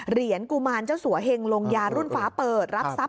กุมารเจ้าสัวเหงลงยารุ่นฟ้าเปิดรับทรัพย